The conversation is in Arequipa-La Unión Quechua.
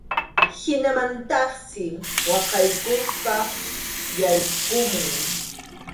Hinamantaqsi waqaykuspa yaykumun.